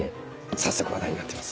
早速話題になってます。